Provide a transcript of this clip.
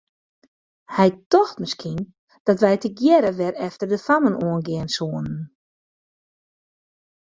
Hy tocht miskien dat wy tegearre wer efter de fammen oan gean soene.